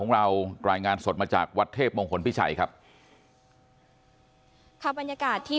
เรารายงานสดมาจากวัดเทพมงคลพิชัยครับค่ะบรรยากาศที่